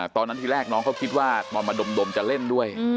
ตอนแรกที่แรกน้องเขาคิดว่าตอนมาดมจะเล่นด้วย